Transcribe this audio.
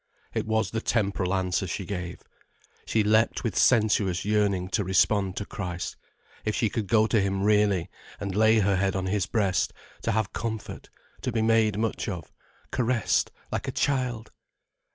It was the temporal answer she gave. She leapt with sensuous yearning to respond to Christ. If she could go to him really, and lay her head on his breast, to have comfort, to be made much of, caressed like a child!